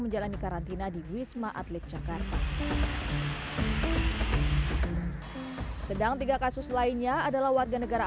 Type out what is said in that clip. menjalani karantina di wisma atlet jakarta sedang tiga kasus lainnya adalah warga negara